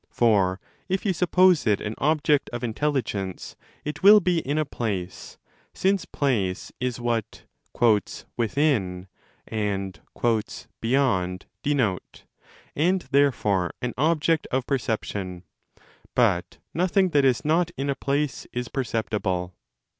For if you suppose it an object of intelligence, it will be in a place— since place is what 'within' and 'beyond' denote—and therefore an object of perception. But nothing that is not in a place is perceptible.'